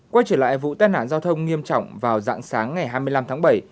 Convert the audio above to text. quay trở lại vụ tai nạn giao thông nghiêm trọng vào dạng sáng ngày hai mươi năm tháng bảy